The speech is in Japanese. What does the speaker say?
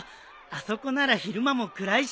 あそこなら昼間も暗いしね。